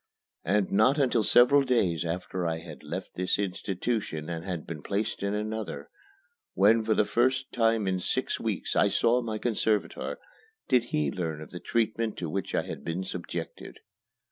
And not until several days after I had left this institution and had been placed in another, when for the first time in six weeks I saw my conservator, did he learn of the treatment to which I had been subjected.